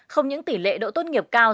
không những tỷ lệ đỗ tốt nghiệp cao